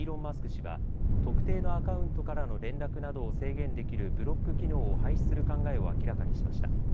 氏は特定のアカウントからの連絡などを制限できるブロック機能を廃止する考えを明らかにしました。